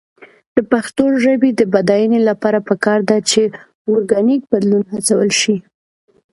د پښتو ژبې د بډاینې لپاره پکار ده چې اورګانیک بدلون هڅول شي.